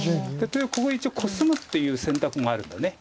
例えばここ一応コスむっていう選択もあるんだ。